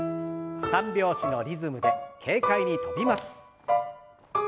３拍子のリズムで軽快に跳びます。